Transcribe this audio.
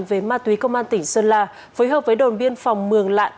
về ma túy công an tỉnh sơn la phối hợp với đồn biên phòng mường lạn